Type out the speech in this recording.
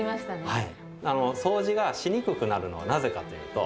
はい。